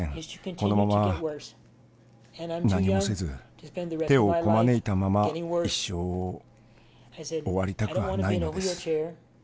このまま何もせず手をこまねいたまま一生を終わりたくはないのです」